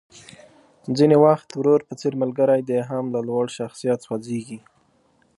ځينې وخت ورور په څېر ملګری دې هم له لوړ شخصيت سوځېږي.